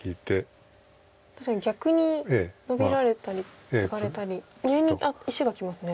確かに逆にノビられたりツガれたり上に石がきますね。